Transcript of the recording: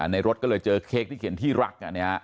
รถก็เลยเจอเค้กที่เขียนที่รัก